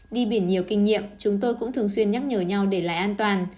đi biển nhiều kinh nghiệm chúng tôi cũng thường xuyên nhắc nhở nhau để lại an toàn